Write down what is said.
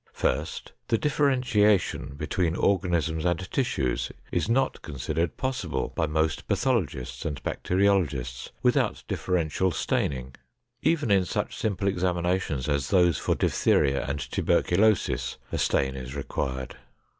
First, the differentiation between organisms and tissues is not considered possible by most pathologists and bacteriologists without differential staining. Even in such simple examinations as those for diphtheria and tuberculosis, a stain is required.